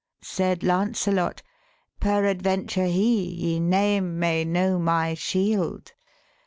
Said Lancelot, ' Perad venture he, ye name, May know my shield.